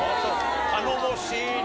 頼もしいね。